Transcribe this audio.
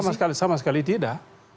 oh sama sekali tidak